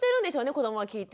子どもは聞いて。